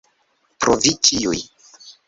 Pro vi ĉiuj.